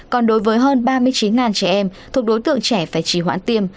còn đối với hơn ba mươi chín trẻ em thuộc đối tượng trẻ phải chỉ hoãn tiêm